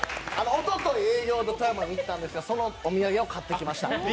おととい営業で富山に行ったんですが、そのお土産を買ってきました。